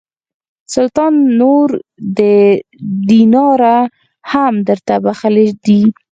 سلطان نور دیناره هم درته بخښلي دي.